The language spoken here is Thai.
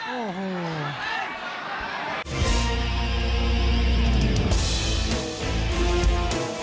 โอ้โห